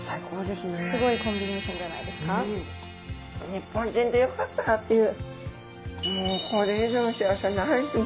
日本人でよかったっていう。